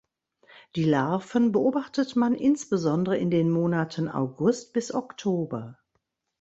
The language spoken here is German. Die Larven beobachtet man insbesondere in den Monaten August bis Oktober.